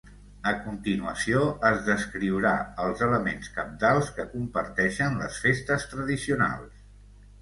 A continuació es descriurà els elements cabdals que comparteixen les festes tradicionals.